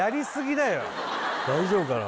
大丈夫かな